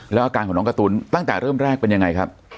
แล้วอาการของน้องการ์ตูนตั้งแต่เริ่มแรกเป็นยังไงครับ